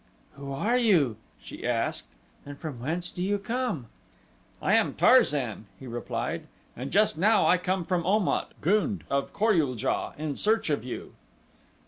"Who are you?" she asked, "and from whence do you come?" "I am Tarzan," he replied, "and just now I came from Om at, of Kor ul JA, in search of you."